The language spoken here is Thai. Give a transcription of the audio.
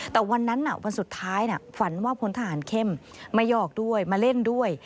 แต่วันนั้นวันสุดท้ายฝันว่าพลทหารเข้มไม่ยอกด้วยมาเล่นด้วย